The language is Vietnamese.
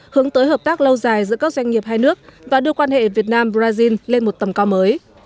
hướng tới hợp tác lâu dài giữa các doanh nghiệp hai nước và đưa quan hệ việt nam brazil lên một tầm cao mới